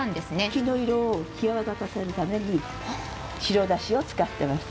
生の色を際立たせるために白だしを使っています。